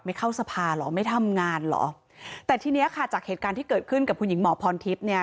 เข้าสภาเหรอไม่ทำงานเหรอแต่ทีเนี้ยค่ะจากเหตุการณ์ที่เกิดขึ้นกับคุณหญิงหมอพรทิพย์เนี่ย